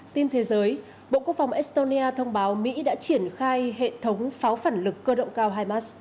tin thế giới bộ quốc phòng estonia thông báo mỹ đã triển khai hệ thống pháo phản lực cơ động cao hamas